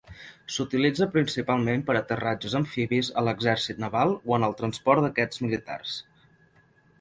S'utilitza principalment per a aterratges amfibis a l'exèrcit naval o en el transport d'aquests militars.